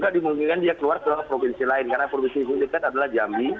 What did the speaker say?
karena provinsi yang di dekat adalah jambi